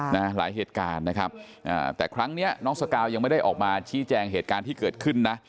หลายเหตุการณ์นะครับอ่าแต่ครั้งเนี้ยน้องสกาวยังไม่ได้ออกมาชี้แจงเหตุการณ์ที่เกิดขึ้นนะ